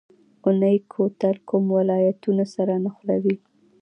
اونی کوتل کوم ولایتونه سره نښلوي؟